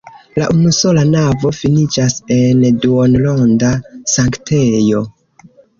La unusola navo finiĝas en duonronda sanktejo.